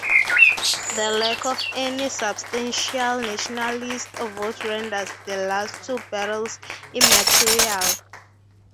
The lack of any substantial nationalist vote renders the last two battles immaterial.